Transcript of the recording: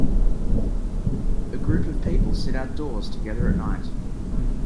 A group of people sit outdoors together at night.